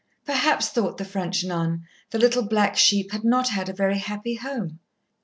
Perhaps, thought the French nun, the little black sheep had not a very happy home.